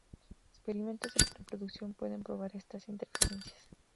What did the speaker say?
Experimentos de reproducción pueden probar estas interferencias.